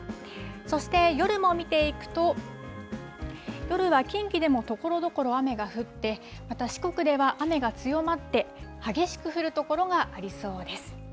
そして夜も見ていくと、夜は近畿でもところどころ雨が降って、また四国では雨が強まって、激しく降る所がありそうです。